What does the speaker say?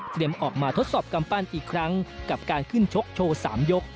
เตรียมออกมาทดสอบกำปั้นอีกครั้งกับการขึ้นโชคโชว์สามยก